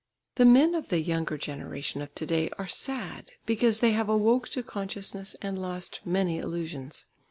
The men of the younger generation of to day are sad, because they have awoke to consciousness and lost many illusions.